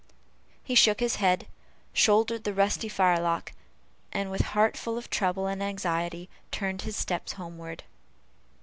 He shook his head, shouldered the rusty firelock, and, with a heart full of trouble and anxiety, turned his steps homeward.